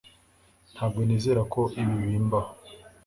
ntabwo nizera ko ibi bimbaho